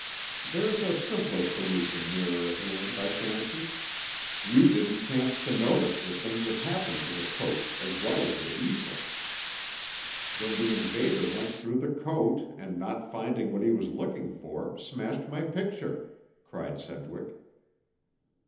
"There's a simpler solution nearer at hand, I fancy. You didn't chance to notice that things have happened to the coat, as well as to the easel." "Then the invader went through the coat and, not finding what he was looking for, smashed my picture," cried Sedgwick.